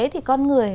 thì con người